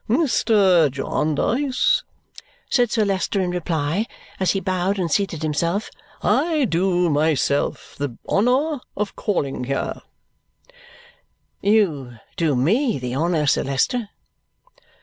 "Mr. Jarndyce," said Sir Leicester in reply as he bowed and seated himself, "I do myself the honour of calling here " "You do ME the honour, Sir Leicester."